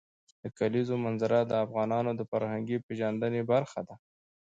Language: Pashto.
د کلیزو منظره د افغانانو د فرهنګي پیژندنې برخه ده.